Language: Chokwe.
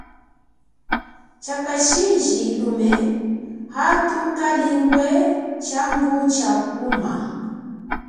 Chakashishi lume, athu kalingwe tshambu cha kuma.